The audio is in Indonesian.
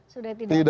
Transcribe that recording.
sudah tidak ada